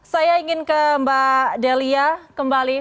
saya ingin ke mbak delia kembali